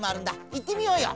いってみようよ。